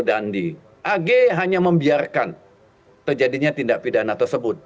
agh hanya membiarkan terjadinya tindak pidana tersebut